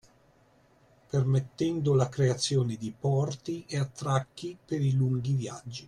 Permettendo la creazione di porti e attracchi per i lunghi viaggi.